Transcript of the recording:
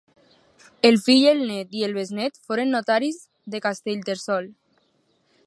El fill, el nét i el besnét foren notaris de Castellterçol.